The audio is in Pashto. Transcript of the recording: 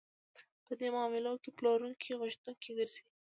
په دې معاملو کې پلورونکی غوښتونکی ګرځي